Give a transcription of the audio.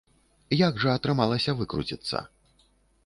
Як жа атрымалася выкруціцца?